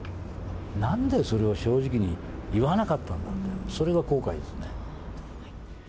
なんでそれを正直に言わなかったんだって、それが後悔ですね。